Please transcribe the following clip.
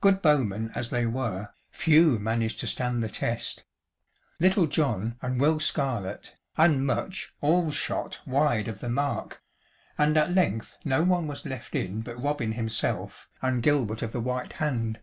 Good bowmen as they were, few managed to stand the test. Little John and Will Scarlett, and Much, all shot wide of the mark, and at length no one was left in but Robin himself and Gilbert of the White Hand.